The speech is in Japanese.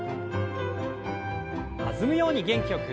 弾むように元気よく。